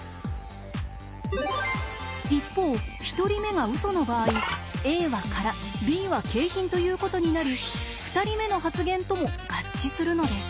一方１人目がウソの場合「Ａは空Ｂは景品」ということになり２人目の発言とも合致するのです。